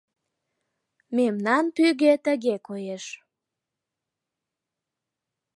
Мемнан пӱгӧ тыге коеш.